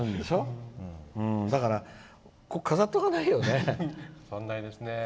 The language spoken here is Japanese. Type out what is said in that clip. だから、飾って置かないよね。